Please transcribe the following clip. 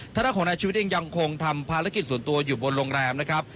ทางด้านของนายชีวิตเองยังคงทำภารกิจส่วนตัวอยู่บนโรงแรมนะครับ